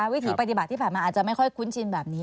วิถีปฏิบัติที่ผ่านมาอาจจะไม่ค่อยคุ้นชินแบบนี้